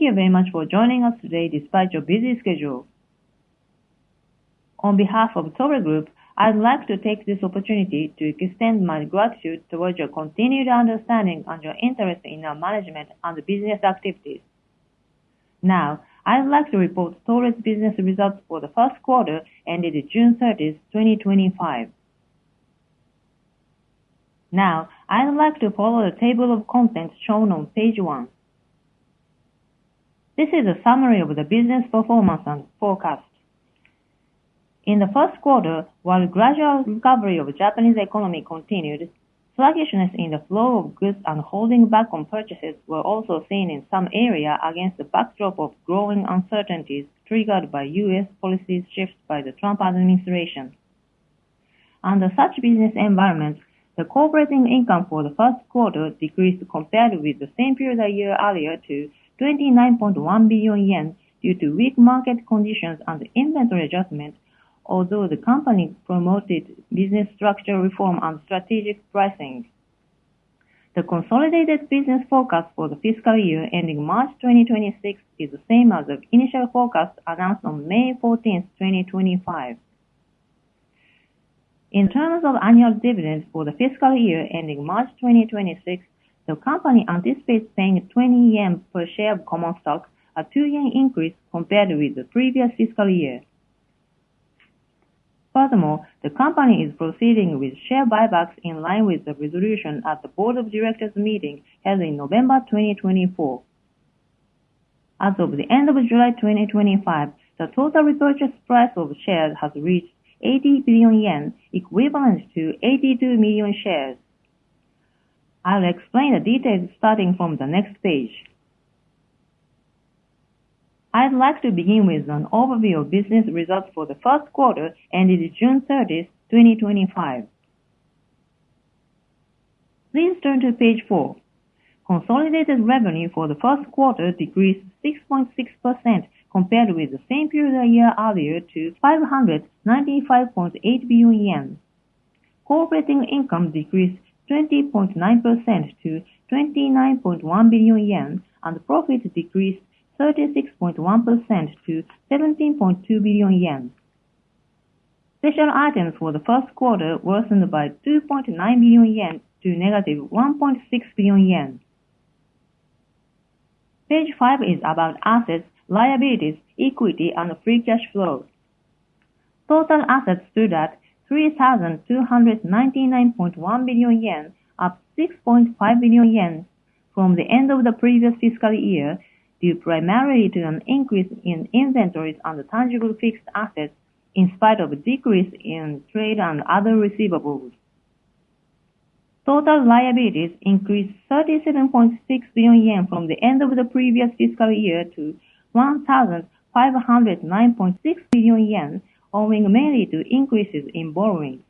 Thank you very much for joining us today despite your busy schedule. On behalf of the Toray Group, I'd like to take this opportunity to extend my gratitude towards your continued understanding and your interest in our management and business activities. Now, I'd like to report Toray's Business Results for the first quarter ended June 30, 2025. Now, I'd like to follow the table of contents shown on page one. This is a summary of the business performance and forecast. In the first quarter, while the gradual recovery of the Japanese economy continued, sluggishness in the flow of goods and holding back on purchases were also seen in some areas against the backdrop of growing uncertainties triggered by U.S. policy shifts by the Trump administration. Under such business environments, the corporate income for the first quarter decreased compared with the same period a year earlier to 29.1 billion yen due to weak market conditions and inventory adjustment, although the company promoted business structure reform and strategic pricing initiatives. The consolidated business forecast for the fiscal year ending March 2026 is the same as the initial forecast announced on May 14, 2025. In terms of annual dividends for the fiscal year ending March 2026, the company anticipates paying 20 yen per share of common stock, a 2 yen increase compared with the previous fiscal year. Furthermore, the company is proceeding with share buybacks in line with the resolution at the Board of Directors meeting held in November 2024. As of the end of July 2025, the total repurchase price of shares has reached 80 billion yen, equivalent to 82 million shares. I'll explain the details starting from the next page. I'd like to begin with an overview of business results for the first quarter ended June 30, 2025. Please turn to page four. Consolidated revenue for the first quarter decreased 6.6% compared with the same period a year earlier to 595.8 billion yen. Operating income decreased 20.9% to 29.1 billion yen, and profit decreased 36.1% to 17.2 billion yen. Special items for the first quarter worsened by 2.9 billion yen to -1.6 billion. Page five is about assets, liabilities, equity, and free cash flows. Total assets stood at 3,299.1 billion yen, up 6.5 billion yen from the end of the previous fiscal year due primarily to an increase in inventories and tangible fixed assets in spite of a decrease in trade and other receivables. Total liabilities increased 37.6 billion yen from the end of the previous fiscal year to 1,509.6 billion yen, owing mainly to increases in borrowing.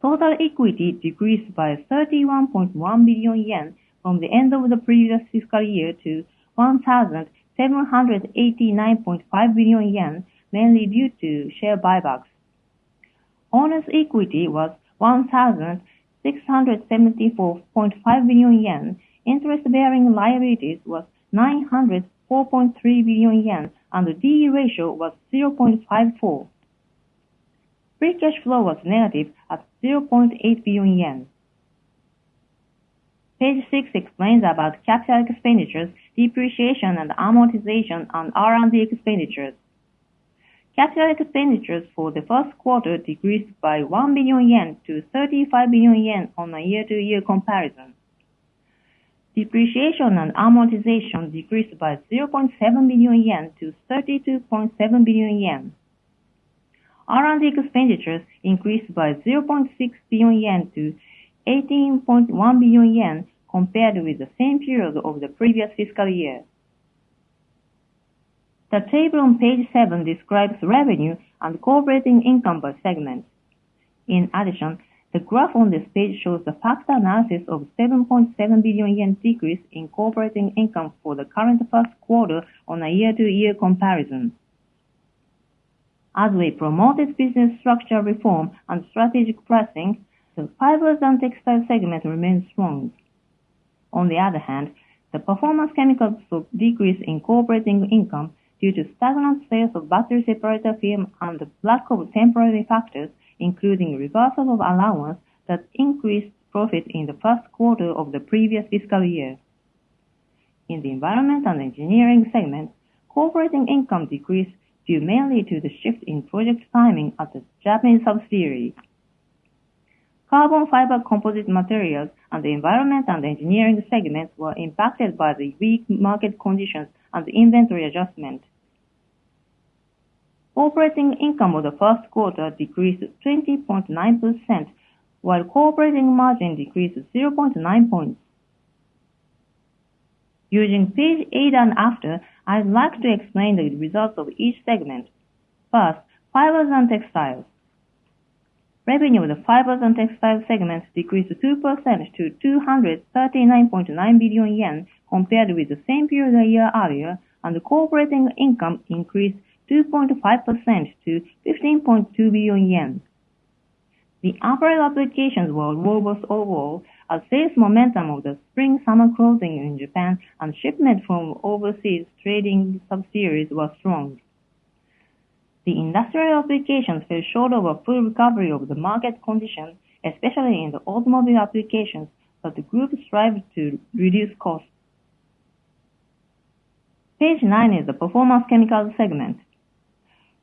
Total equity decreased by 31.1 billion yen from the end of the previous fiscal year to 1,789.5 billion yen, mainly due to share buybacks. Owner's equity was 1,674.5 billion yen, interest-bearing liabilities were 904.3 billion yen, and the D/E ratio was 0.54. Free cash flow was negative at 0.8 billion yen. Page six explains about capital expenditures, depreciation and amortization, and R&D expenditures. Capital expenditures for the first quarter decreased by 1 billion-35 billion yen on a year-to-year comparison. Depreciation and amortization decreased by 0.7 billion-32.7 billion yen. R&D expenditures increased by 0.6 billion-18.1 billion yen compared with the same period of the previous fiscal year. The table on page seven describes revenue and operating income by segment. In addition, the graph on this page shows the past analysis of 7.7 billion yen decrease in operating income for the current first quarter on a year-to-year comparison. As they promoted business structure reform and strategic pricing initiatives, the fibers and textiles segment remained strong. On the other hand, the performance chemicals segment decreased in operating income due to stagnant sales of battery separator film and the lack of temporary factors, including reversal of allowance that increased profit in the first quarter of the previous fiscal year. In the environment and engineering segment, operating income decreased due mainly to the shift in project timing at the Japanese subsidiary. Carbon fiber composite materials and the environment and engineering segment were impacted by the weak market conditions and inventory adjustments. Operating income for the first quarter decreased 20.9%, while operating margin decreased 0.9 points. Using page eight and after, I'd like to explain the results of each segment. First, fibers and textiles. Revenue of the fibers and textiles segment decreased 2% to 239.9 billion yen compared with the same period a year earlier, and the operating income increased 2.5% to 15.2 billion yen. The apparel applications were robust overall, as sales momentum of the spring-summer clothing in Japan and shipment from overseas trading subsidiaries was strong. The industrial applications fell short of a full recovery of the market condition, especially in the automobile applications, but the group strived to reduce costs. Page nine is the performance chemicals segment.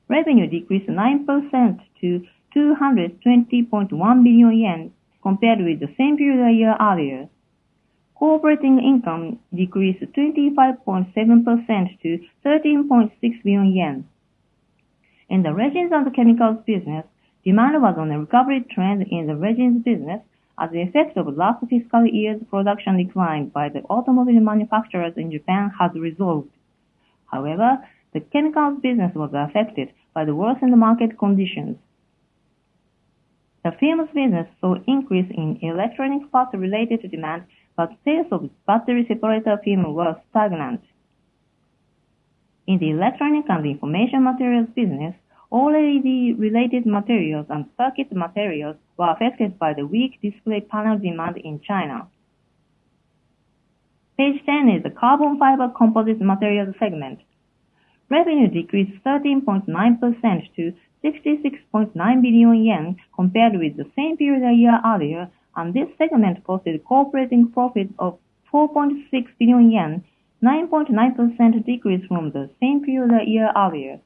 Revenue decreased 9% to 220.1 billion yen compared with the same period a year earlier. Operating income decreased 25.7% to 13.6 billion yen. In the resins and chemicals business, demand was on a recovery trend in the resins business, as the effects of last fiscal year's production decline by the automobile manufacturers in Japan had resolved. However, the chemicals business was affected by the worsened market conditions. The films business saw an increase in electronic parts related demand, but sales of battery separator film were stagnant. In the electronic and information materials business, all LED-related materials and circuit materials were affected by the weak display panel demand in China. Page ten is the carbon fiber composite materials segment. Revenue decreased 13.9% to 56.9 billion yen compared with the same period a year earlier, and this segment posted an operating profit of 4.6 billion yen, a 9.9% decrease from the same period a year earlier.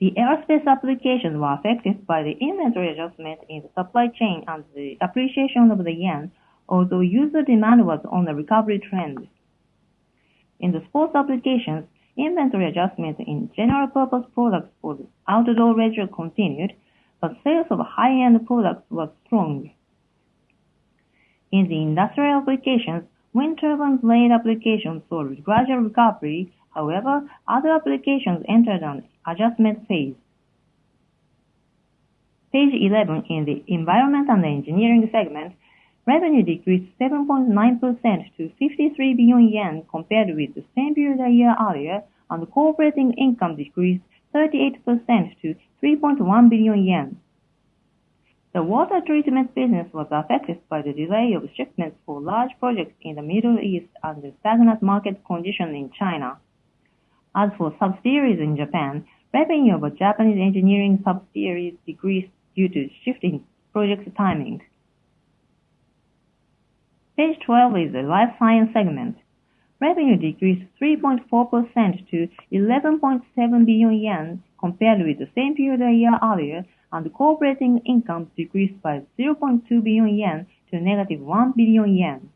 The aerospace applications were affected by the inventory adjustment in the supply chain and the appreciation of the yen, although user demand was on a recovery trend. In the sports applications, inventory adjustment in general-purpose products for the outdoor retail continued, but sales of high-end products were strong. In the industrial applications, wind turbine blade applications saw a gradual recovery. However, other applications entered an adjustment phase. Page eleven is the environment and engineering segment. Revenue decreased 7.9% to 53 billion yen compared with the same period a year earlier, and operating income decreased 38% to 3.1 billion yen. The water treatment business was affected by the delay of shipments for large projects in the Middle East and the stagnant market conditions in China. As for subsidiaries in Japan, revenue of Japanese engineering subsidiaries decreased due to shifting project timing. Page 12 is the life science segment. Revenue decreased 3.4% to 11.7 billion yen compared with the same period a year earlier, and operating income decreased by 0.2 billion yen to -1 billion yen.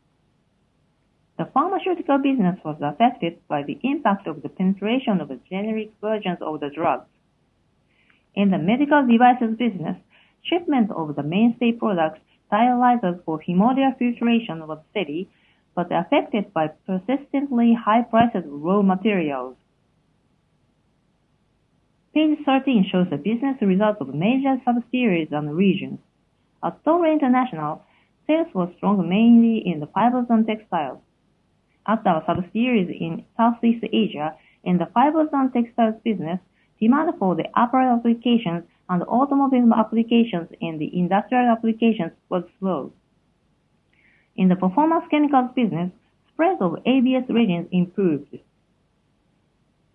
The pharmaceutical business was affected by the impact of the penetration of generic versions of the drugs. In the medical devices business, shipment of the mainstay products stylized for hemodial filtration was steady, but affected by persistently high-priced raw materials. Page thirteen shows the business results of major subsidiaries and regions. At Toray International, sales were strong mainly in the fibers and textiles. At our subsidiaries in Southeast Asia, in the fibers and textiles business, demand for the apparel applications and automobile applications in the industrial applications was slow. In the performance chemicals business, spread of ABS resins improved.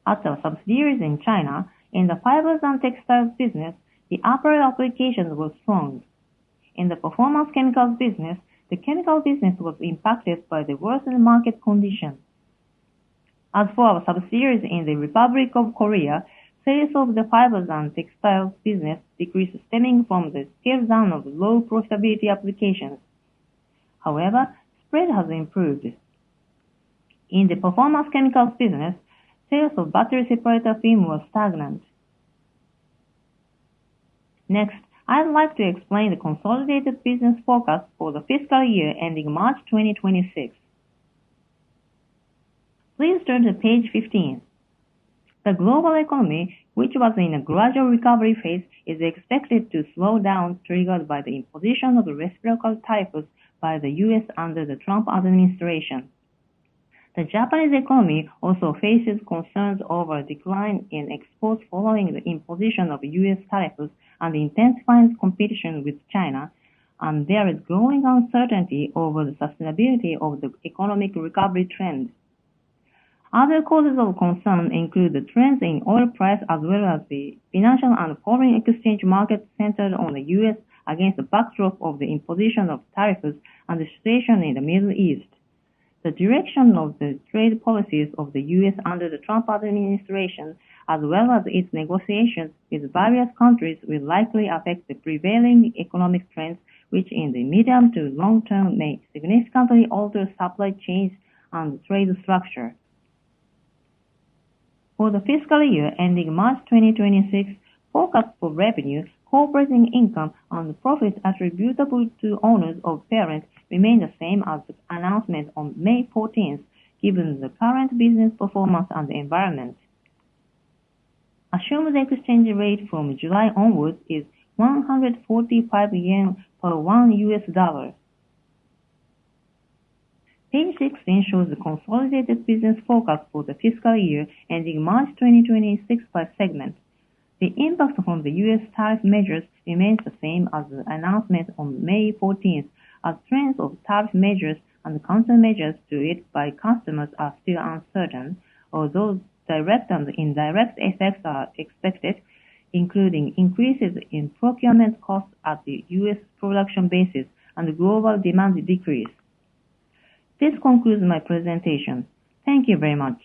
At our subsidiaries in China, in the fibers and textiles business, the apparel applications were strong. In the performance chemicals business, the chemical business was impacted by the worsened market conditions. As for our subsidiaries in the Republic of Korea, sales of the fibers and textiles business decreased stemming from the scaled-down of low profitability applications. However, spread has improved. In the performance chemicals business, sales of battery separator film were stagnant. Next, I'd like to explain the consolidated business forecast for the fiscal year ending March 2026. Please turn to page 15. The global economy, which was in a gradual recovery phase, is expected to slow down triggered by the imposition of the respiratory typhus by the U.S. under the Trump administration. The Japanese economy also faces concerns over a decline in exports following the imposition of the U.S. typhus and intensifying competition with China, and there is growing uncertainty over the sustainability of the economic recovery trend. Other causes of concern include the trends in oil price, as well as the financial and foreign exchange markets centered on the U.S. against the backdrop of the imposition of typhus and the situation in the Middle East. The direction of the trade policies of the U.S. under the Trump administration, as well as its negotiations with various countries, will likely affect the prevailing economic trends, which in the medium to long term may significantly alter supply chains and trade structure. For the fiscal year ending March 2026, forecast for revenue, operating income, and the profits attributable to owners or parents remain the same as the announcement on May 14, given the current business performance and the environment. Assumed exchange rate from July onwards is 145 yen per one U.S. dollar. Page six shows the consolidated business forecast for the fiscal year ending March 2026 by segment. The impact from the U.S. tariff measures remains the same as the announcement on May 14, as trends of tariff measures and countermeasures to it by customers are still uncertain, although direct and indirect effects are expected, including increases in procurement costs at the U.S. production basis and global demand decrease. This concludes my presentation. Thank you very much.